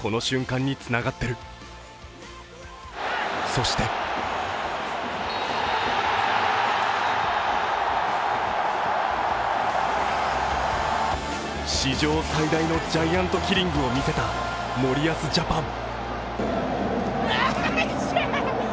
そして史上最大のジャイアントキリングを見せた森保ジャパン。